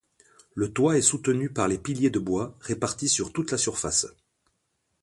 Le toit est soutenu par les piliers de bois, répartis sur toute la surface.